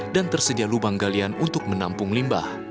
tersedia lubang galian untuk menampung limbah